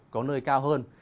có nơi cao hơn